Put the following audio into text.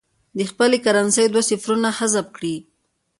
د خپلې کرنسۍ دوه صفرونه حذف کړي.